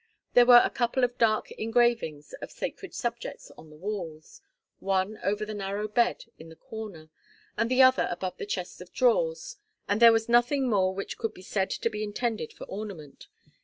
There were a couple of dark engravings of sacred subjects on the walls, one over the narrow bed in the corner, and the other above the chest of drawers, and there was nothing more which could be said to be intended for ornament.